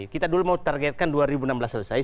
kita dulu mau targetkan dua ribu enam belas selesai